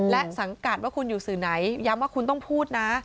และสังกัดว่าคุณอยู่สื่อไหนย้ำว่าคุณต้องพูดนะ